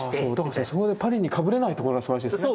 だからそこでパリにかぶれないところがすばらしいですね。